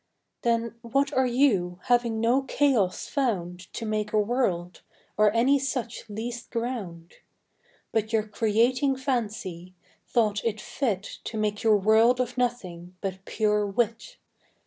Then what are You, having no Chaos found To make a World, or any such least ground? But your Creating Fancy, thought it fit To make your World of Nothing, but pure Wit.